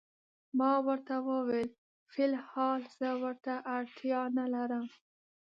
ما ورته وویل: فی الحال زه ورته اړتیا نه لرم.